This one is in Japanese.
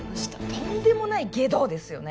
とんでもない外道ですよね